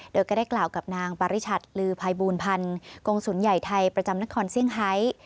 โดยก็ได้กล่าวกับนางปริชัดลือภัยบูลพันธ์กงศูนย์ใหญ่ไทยประจำนครเซี่ยงไฮ